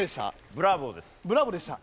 ブラボーでした？